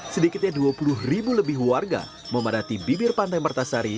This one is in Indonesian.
sedikitnya dua puluh ribu lebih warga memadati bibir pantai mertasari